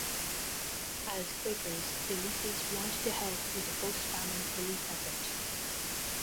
As Quakers, the Ellises wanted to help with the post-Famine relief effort.